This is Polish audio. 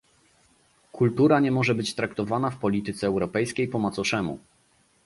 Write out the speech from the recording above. Kultura nie może być traktowana w polityce europejskiej po macoszemu